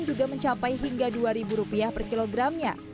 juga mencapai hingga rp dua per kilogramnya